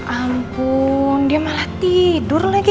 ampun dia malah tidur lagi